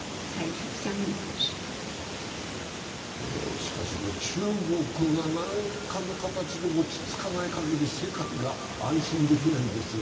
しかし中国が何かの形で落ち着かないかぎり世界が安心できないんですが。